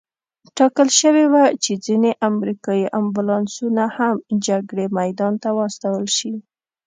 ټاکل شوې وه چې ځینې امریکایي امبولانسونه هم جګړې میدان ته واستول شي.